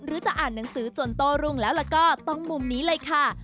จะอ่านหนังสือจนโต้รุ่งแล้วก็ต้องมุมนี้เลยค่ะ